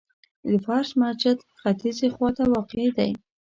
د فرش مسجد ختیځي خواته واقع دی.